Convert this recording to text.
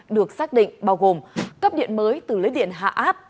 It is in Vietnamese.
được xác định bao gồm cấp điện mới từ lưới điện hạ áp